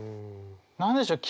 何でしょう？